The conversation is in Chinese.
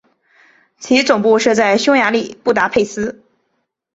其总部设在匈牙利布达佩斯。